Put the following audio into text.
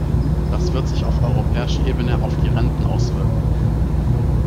Das wird sich auf europäischer Ebene auf die Renten auswirken.